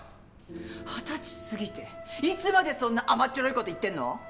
二十歳過ぎていつまでそんな甘っちょろいこと言ってんの？